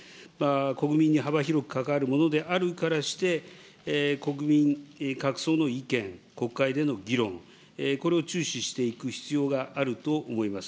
国民に幅広く関わるものであるからして、国民各層の意見、国会での議論、これを注視していく必要があると思います。